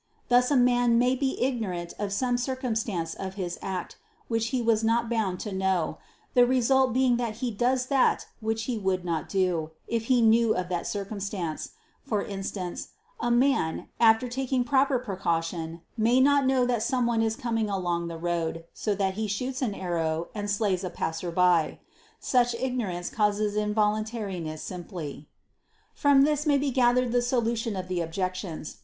Thus a man may be ignorant of some circumstance of his act, which he was not bound to know, the result being that he does that which he would not do, if he knew of that circumstance; for instance, a man, after taking proper precaution, may not know that someone is coming along the road, so that he shoots an arrow and slays a passer by. Such ignorance causes involuntariness simply. From this may be gathered the solution of the objections.